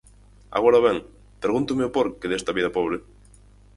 Agora ben, pregúntome o por que desta vida pobre.